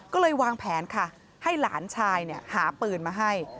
ก็เลยวางแผนค่ะให้หลานชายหาปืนมาให้